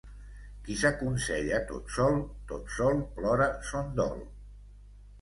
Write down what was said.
Qui s'aconsella tot sol, tot sol plora son dol.